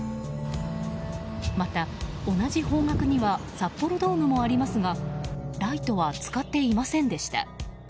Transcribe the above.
また、同じ方角には札幌ドームもありますがライトは使っていませんでした。